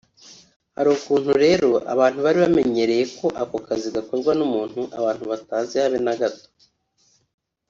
hari ukuntu rero abantu bari bamenyereye ko ako kazi gakorwa n’umuntu abantu batazi habe na gato